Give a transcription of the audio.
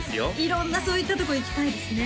色んなそういったとこ行きたいですね